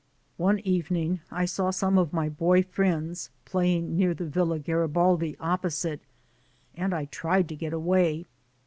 THE CALL OF THE SEA 49 One evening I saw some of my boy friends playing near the Villa Garibaldi opposite, and I tried to get away.